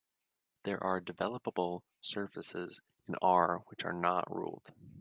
There are developable surfaces in R which are not ruled.